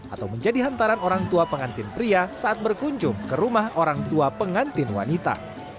atau menjadi hantaran orang tua pengantin pria saat berkunjung ke rumah orang tua pengantin wanita